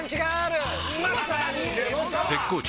絶好調！！